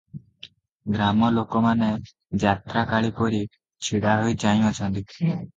ଗ୍ରାମଲୋକମାନେ ଯାତ୍ରାକାଳୀପରି ଛିଡ଼ାହୋଇ ଚାହିଁଅଛନ୍ତି ।